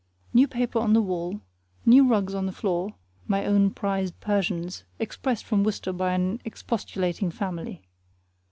New paper on the wall, new rugs on the floor (my own prized Persians expressed from Worcester by an expostulating family).